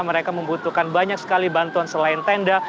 mereka membutuhkan banyak sekali bantuan selain tenda